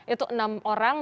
itu enam orang